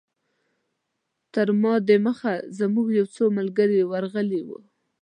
تر ما دمخه زموږ یو څو ملګري ورغلي وو.